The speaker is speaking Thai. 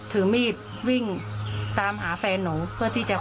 ถือมีดวิ่งตามหาแฟนหนูเพื่อที่จะ